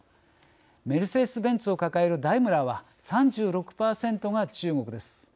メルセデス・ベンツを抱えるダイムラーは３６％が中国です。